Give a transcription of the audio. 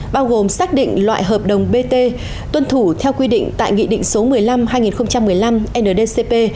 bao gồm xác định loại hợp đồng bt tuân thủ theo quy định tại nghị định số một mươi năm hai nghìn một mươi năm ndcp